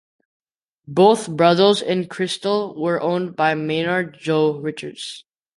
Both brothels in Crystal were owned by Maynard "Joe" Richards.